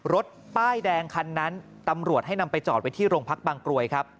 รถป้ายแดงคันนั้นตำรวจให้นำไปจอดไว้ที่โรงพักบางกรวยครับ